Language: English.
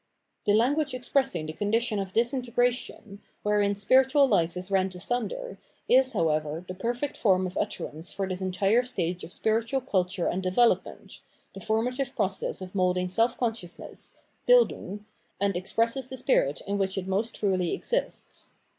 The language expressing the condition of disintegra tion, wherein spiritual hfe is rent asunder, is, however, the perfect form of utterance for this entire stage of spiritual culture and development, the formative process of moulding self consciousness {Bildung), and expresses the spirit in which it most truly exists.